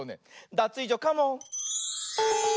ダツイージョカモン！